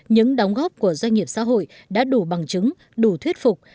những đóng góp của doanh nghiệp xã hội đã đủ bằng chứng đủ thuyết phục